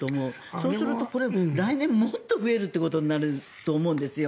そうすると、これは来年もっと増えることになると思うんですよ。